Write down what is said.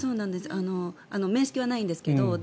面識はないんですけど